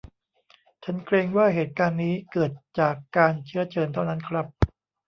ฉันเกรงว่าเหตุการณ์นี้เกิดจากการเชื้อเชิญเท่านั้นครับ